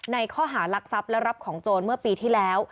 ข้อหารักทรัพย์และรับของโจรเมื่อปีที่แล้ว